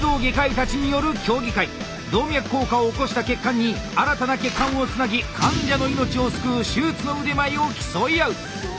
動脈硬化を起こした血管に新たな血管をつなぎ患者の命を救う手術の腕前を競い合う！